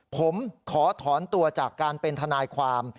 ผมขอถอนตัวจากการเป็นทนายความ